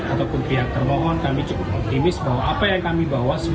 dan untuk pihak termohon kami cukup optimis bahwa apa yang kami bawa